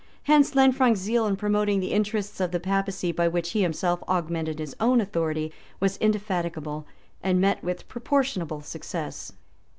Hence Lanfranc's zeal in promoting the interests of the papacy, by which he himself augmented his own authority, was indefatigable, and met with proportionable success.